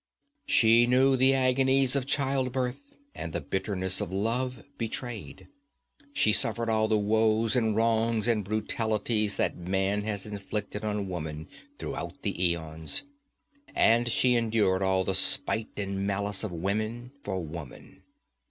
She knew the agonies of childbirth, and the bitterness of love betrayed. She suffered all the woes and wrongs and brutalities that man has inflicted on woman throughout the eons; and she endured all the spite and malice of women for woman.